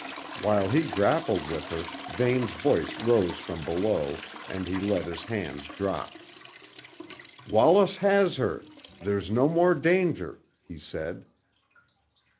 While he grappled with her, Vane's voice rose from below, and he let his hands drop. "Wallace has her! There's no more danger," he said.